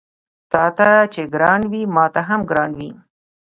تاته چې ګران وي ماته هم ګران وي